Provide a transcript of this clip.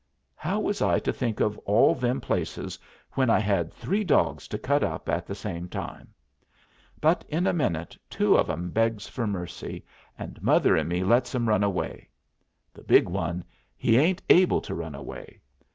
How was I to think of all them places when I had three dogs to cut up at the same time? But in a minute two of 'em begs for mercy, and mother and me lets 'em run away. The big one he ain't able to run away.